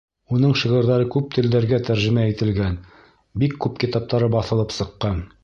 Уның шиғырҙары күп телдәргә тәржемә ителгән, бик күп китаптары баҫылып сыҡҡан.